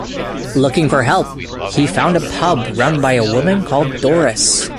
Looking for help, he found a pub run by a woman called Doris.